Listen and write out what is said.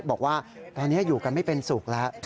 บอกว่าตอนนี้อยู่กันไม่เป็นสุขแล้ว